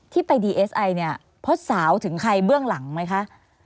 ที่ไปดีเอสไอเนี่ยเพราะสาวถึงใครเบื้องหลังไหมคะ